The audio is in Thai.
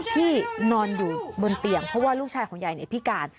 ที่นอนอยู่บนเตียงเพราะว่าลูกชายของยายพิการ